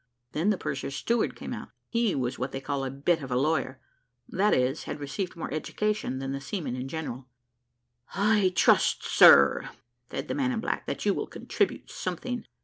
Then the purser's steward came out; he was what they call a bit of a lawyer, that is, had received more education than the seamen in general. "I trust, sir," said the man in black, "that you will contribute something."